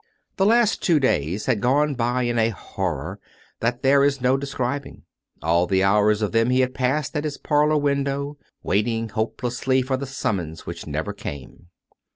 The last two days had gone by in a horror that there is no describing. All the hours of them he had passed at his parlour window, waiting hopelessly for the summons which never came.